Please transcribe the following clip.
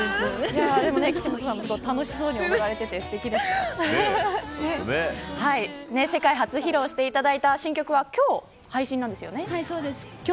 岸本さんも楽しそうにやっていて世界初披露していただいた新曲は今日、配信なんですよね。